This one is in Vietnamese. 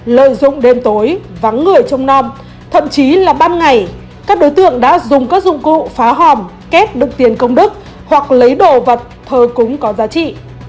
lợi dụng đêm tối vắng người trong non thậm chí là ban ngày các đối tượng đã dùng các dụng cụ phá hòm kết được tiền công đức hoặc lấy đồ vật thờ cúng có giá trị